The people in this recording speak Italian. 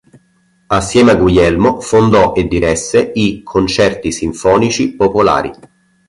Assieme a Guglielmo fondò e diresse i "Concerti Sinfonici Popolari".